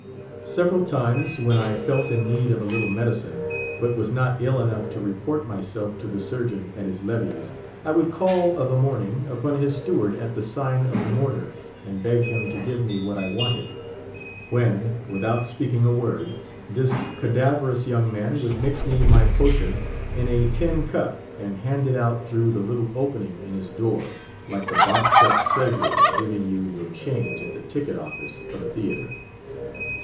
Several times when I felt in need of a little medicine, but was not ill enough to report myself to the surgeon at his levees, I would call of a morning upon his steward at the Sign of the Mortar, and beg him to give me what I wanted; when, without speaking a word, this cadaverous young man would mix me my potion in a tin cup, and hand it out through the little opening in his door, like the boxed up treasurer giving you your change at the ticket office of a theatre.